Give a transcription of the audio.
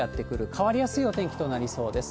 変わりやすいお天気となりそうです。